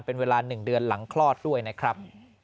เป็นเวลา๑เดือนหลังคลอดด้วยนะครับ